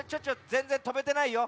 ぜんぜんとべてないよ。